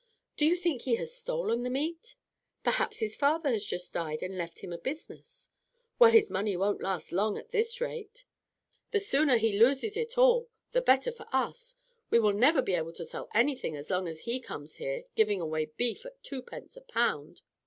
"Do you think he has stolen the meat?" "Perhaps his father has just died and left him a business." "Well, his money won't last long at this rate." "The sooner he loses it all, the better for us. We will never be able to sell anything as long as he comes here giving away beef at twopence a pound."